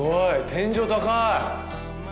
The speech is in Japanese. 天井高い！